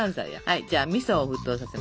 じゃあみそを沸騰させます。